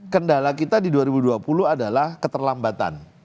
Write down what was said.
kendala kita di dua ribu dua puluh adalah keterlambatan